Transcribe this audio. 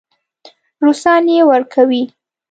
روسان یې ورکوي.